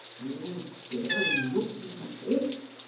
"You dare to look me in the face!"